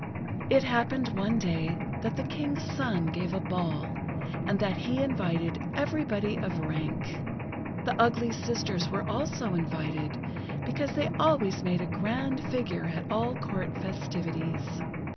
It happened one day that the King's son gave a ball, and that he invited everybody of rank. The ugly sisters were also invited, because they always made a grand figure at all Court festivities.